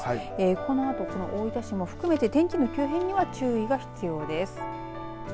このあと大分市も含めて天気の急変には注意が必要です。